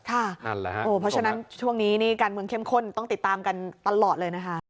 เพราะฉะนั้นช่วงนี้นี่การเมืองเข้มข้นต้องติดตามกันตลอดเลยนะคะ